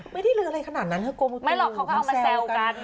ไม่ได้ลืออะไรขนาดนั้นเธอกลัวไม่หรอกเขาก็เอามาแซวกัน